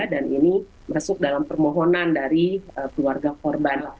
ini masuk dalam permohonan dari keluarga korban